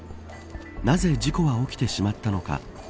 なぜ事故は起きてしまったのか。